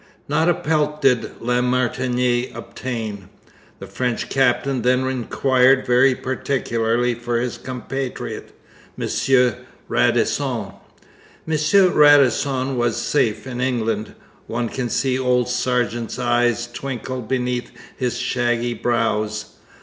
Not a pelt did La Martinière obtain. The French captain then inquired very particularly for his compatriot M. Radisson. M. Radisson was safe in England. One can see old Sargeant's eyes twinkle beneath his shaggy brows.